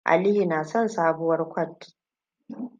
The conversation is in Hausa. Aliyu na son sabuwar kwat.